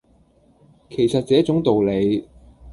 其實這種道理